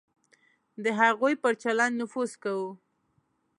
د هغوی پر چلند نفوذ کوو.